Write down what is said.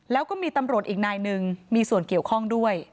แล้วก็มีตำรวจอีกนายหนึ่งมีส่วนเกี่ยวข้องด้วย